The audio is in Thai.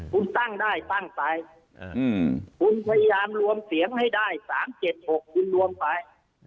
คุณตั้งได้ตั้งไปคุณพยายามรวมเสียงให้ได้๓๗๖คุณรวมไป